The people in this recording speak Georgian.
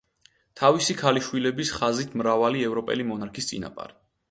თავისი ქალიშვილების ხაზით, მრავალი ევროპელი მონარქის წინაპარი.